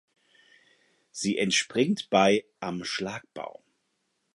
Sie entspringt bei "Am Schlagbaum".